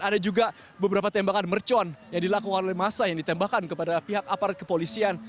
ada juga beberapa tembakan mercon yang dilakukan oleh massa yang ditembakkan kepada pihak aparat kepolisian